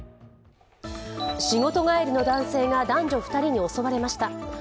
仕事帰りの男性が男女２人に襲われました。